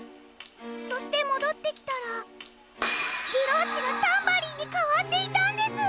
そしてもどってきたらブローチがタンバリンにかわっていたんです！